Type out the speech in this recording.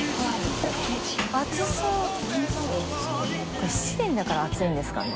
これ七輪だから暑いんですかね？